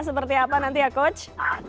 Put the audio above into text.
seperti apa nanti ya coach